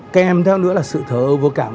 kèm theo nữa là sự thờ vô cảm